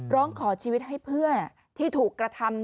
ร้องขอชีวิตให้เพื่อนที่ถูกกระทำ